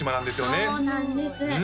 そうなんです